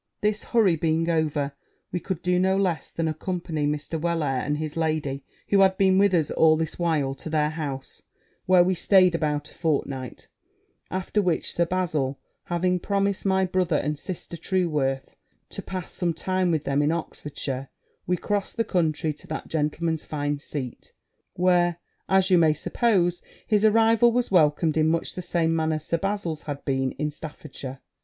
This hurry being over, we could do no less than accompany Mr. Wellair and his lady, who had been with us all this while, to their house, where we staid about a fortnight; after which, Sir Bazil having promised my brother and sister Trueworth to pass some time with them in Oxfordshire, we crossed the country to that gentleman's fine seat; where, you may suppose, his arrival was welcomed in much the same manner Sir Bazil's had been in Staffordshire.